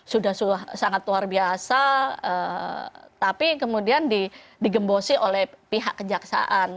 sudah sangat luar biasa tapi kemudian digembosi oleh pihak kejaksaan